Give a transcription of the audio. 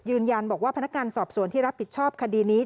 ยืนยันบอกว่าพนักงานสอบสวนที่รับผิดชอบคดีนี้